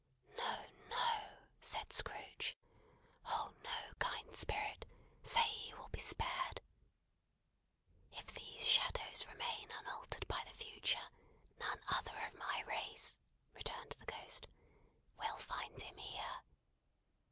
"No, no," said Scrooge. "Oh, no, kind Spirit! say he will be spared." "If these shadows remain unaltered by the Future, none other of my race," returned the Ghost, "will find him here.